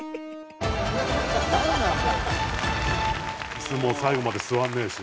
椅子も最後まで座んねえし。